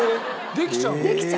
できちゃうの。